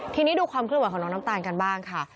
ทีนี้ดูความเคลื่อนของน้องน้ำตาลกันบ้างค่ะ